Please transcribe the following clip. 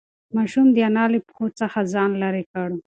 ماشوم د انا له پښو څخه ځان لیرې کړ.